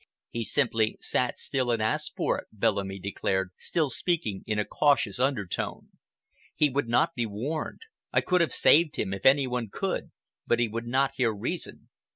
"He simply sat still and asked for it," Bellamy declared, still speaking in a cautious undertone. "He would not be warned. I could have saved him, if any one could, but he would not hear reason."